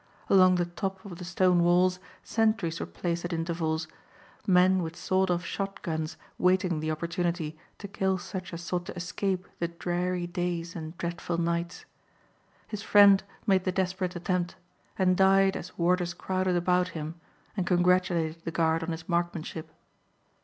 Along the top of the stone walls sentries were placed at intervals, men with sawed off shot guns waiting the opportunity to kill such as sought to escape the dreary days and dreadful nights. His friend made the desperate attempt and died as warders crowded about him and congratulated the guard on his markmanship.